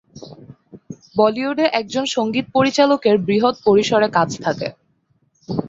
বলিউডে একজন সংগীত পরিচালকের বৃহৎ পরিসরে কাজ থাকে।